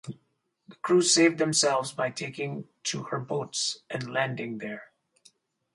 The crew saved themselves by taking to her boats and landing there.